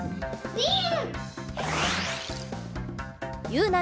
ニン！